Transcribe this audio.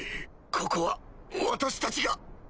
ここは私たちが。